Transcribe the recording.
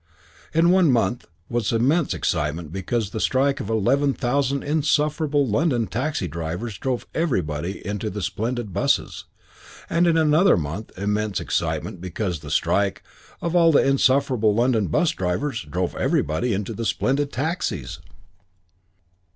In one month was immense excitement because the strike of eleven thousand insufferable London taxi drivers drove everybody into the splendid busses; and in another month immense excitement because the strike of all the insufferable London bus drivers drove everybody into the splendid taxis.